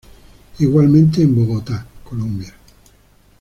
Igualmente en Bogotá, Colombia.